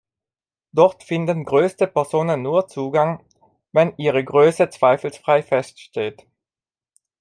Dort finden größte Personen nur Zugang, wenn ihre Größe zweifelsfrei feststeht.